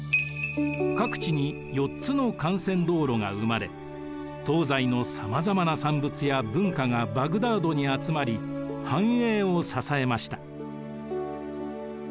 各地に４つの幹線道路が生まれ東西のさまざまな産物や文化がバグダードに集まり繁栄を支えました。